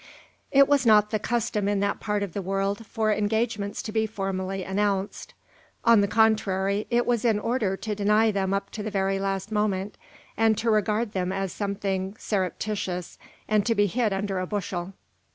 It was not the custom in that part of the world for engagements to be formally announced; on the contrary, it was in order to deny them up to the very last moment, and to regard them as something surreptitious and to be hid under a bushel.